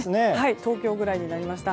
東京ぐらいになりました。